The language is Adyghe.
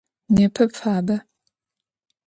Nêpe fabe.